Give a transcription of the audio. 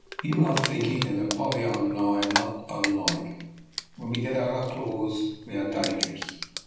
You are thinking that Apollyon and I are not unlike. When we get out our claws we are dangerous.